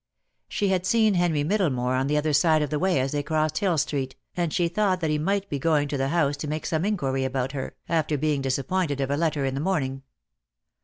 She had seen Henry MiddlemOre on the other side of the way as they crossed Hill Street, and she thought that he might be going to the house to make some inquiry about her, after being disappointed of a letter in the morning.